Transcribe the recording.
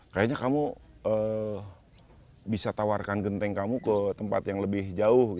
kayaknya kamu bisa tawarkan genteng kamu ke tempat yang lebih jauh